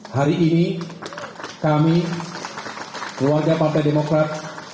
hari ini kami keluarga partai demokrat